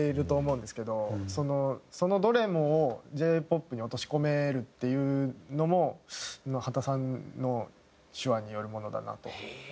そのそのどれもをＪ−ＰＯＰに落とし込めるっていうのも刄田さんの手腕によるものだなと思います。